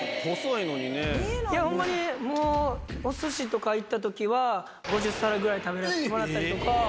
いやホンマにもうお寿司とか行ったときは５０皿ぐらい食べさせてもらったりとか。